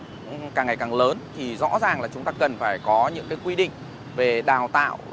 nó càng ngày càng lớn thì rõ ràng là chúng ta cần phải có những cái quy định về đào tạo